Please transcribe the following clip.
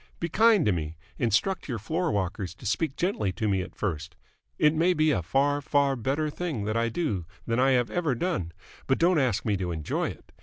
Be kind to me. Instruct your floor walkers to speak gently to me at first. It may be a far, far better thing that I do than I have ever done, but don't ask me to enjoy it!